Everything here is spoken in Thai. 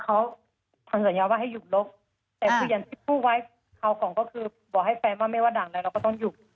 ข่าวของก็คือบอกให้แฟนว่าไม่ว่าด่านอะไรเราก็ต้องหยุด